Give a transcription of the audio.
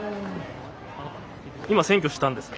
今選挙したんですか？